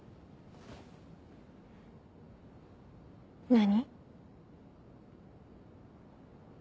何？